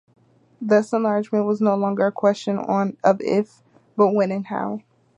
Thus, enlargement was no longer a question of if, but when and how.